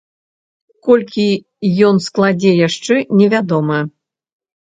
Колькі ён складзе яшчэ невядома.